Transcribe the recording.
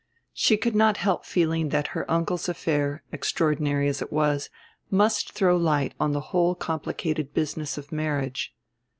She could not help feeling that her uncle's affair, extraordinary as it was, must throw light on the whole complicated business of marriage.